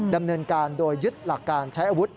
ดำเนินการโดยยึดหลักการใช้อาวุธ